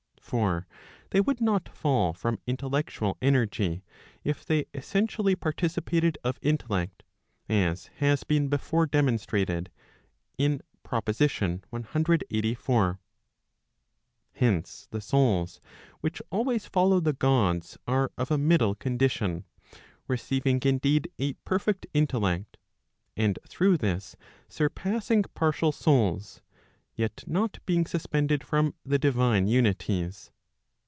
For they would not fall from intellectual energy, if they essentially par¬ ticipated of intellect, as has been before demonstrated [in Prop. 184]]. Hence, the souls which always follow the Gods are of a middle condition; receiving indeed a perfect intellect, and through this surpassing partial souls, yet not being suspended from the divine unities.